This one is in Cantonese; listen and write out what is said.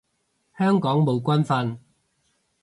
香港冇軍訓